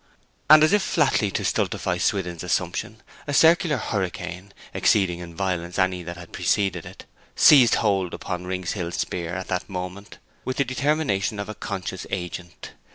"' And, as if flatly to stultify Swithin's assumption, a circular hurricane, exceeding in violence any that had preceded it, seized hold upon Rings Hill Speer at that moment with the determination of a conscious agent.